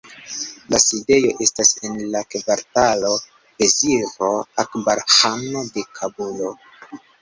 La sidejo estas en la kvartalo Veziro Akbar Ĥano de Kabulo.